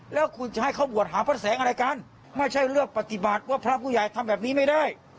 แล้วคุณจะให้เขาบวชหาพระแสงอะไรกันไม่ใช่เลือกปฏิบัติว่าพระผู้ใหญ่ทำแบบนี้ไม่ได้